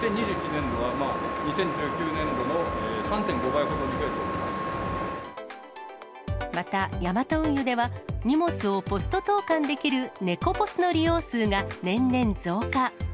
２０２１年度は、２０１９年度のまた、ヤマト運輸では、荷物をポスト投かんできるネコポスの利用数が年々増加。